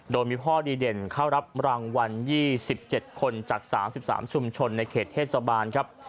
โดยมีพ่อดีเด่นเข้ารับรางวัลยี่สิบเจ็ดคนจากสามสิบสามชุมชนในเขตเทศบาลครับ